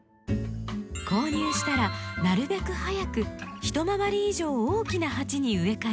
購入したらなるべく早く一回り以上大きな鉢に植え替えます。